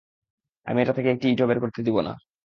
আমি এটা থেকে একটি ইটও বের করতে দিব না।